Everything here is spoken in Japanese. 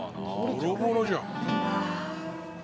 ボロボロじゃん。